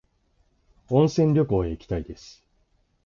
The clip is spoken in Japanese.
温泉旅行へ行きたいです。